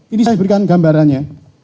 ini saya berikan gambarannya